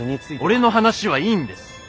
俺の話はいいんです。